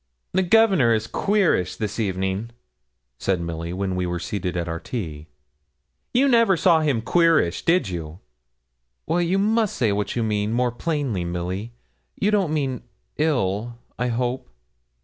'The Governor is queerish this evening,' said Milly, when we were seated at our tea. 'You never saw him queerish, did you?' 'You must say what you mean, more plainly, Milly. You don't mean ill, I hope?'